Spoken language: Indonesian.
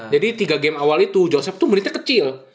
jadi tiga game awal itu joseph tuh menitnya kecil